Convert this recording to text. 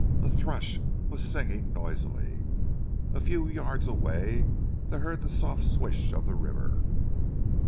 A thrush was singing noisily. A few yards away they heard the soft swish of the river.